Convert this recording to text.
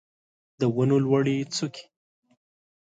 د ونو لوړې څوکې